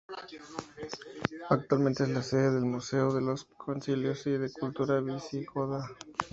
Actualmente es la sede del Museo de los Concilios y de la Cultura Visigoda.